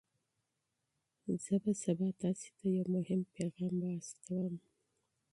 زه به سبا تاسي ته یو مهم پیغام واستوم.